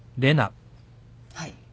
はい。